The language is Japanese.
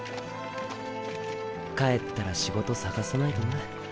帰ったら仕事探さないとな。